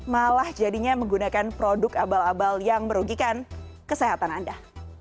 malah jadinya menggunakan produk abal abal yang merugikan kesehatan anda